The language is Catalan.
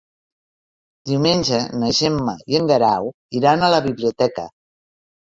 Diumenge na Gemma i en Guerau iran a la biblioteca.